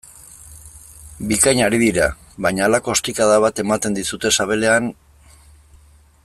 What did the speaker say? Bikain ari dira, baina halako ostikada bat ematen dizute sabelean...